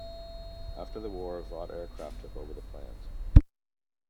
After the war, Vought Aircraft took over the plant.